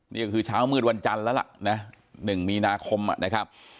นี่ก็คือเช้ามืดวันจันทร์แล้วล่ะนะ๑มีนาคมนะครับ